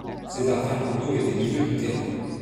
César Ferrando était milieu de terrain.